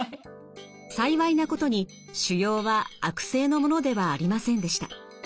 幸いなことに腫瘍は悪性のものではありませんでした。